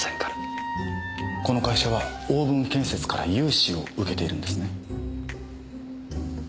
この会社は大分建設から融資を受けているんですね？